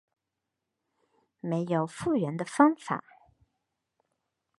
没有复原的方法